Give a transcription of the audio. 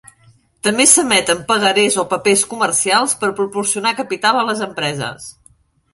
També s'emeten pagarés o papers comercials per proporcionar capital a les empreses.